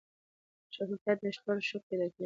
د شفافیت نشتوالی شک پیدا کوي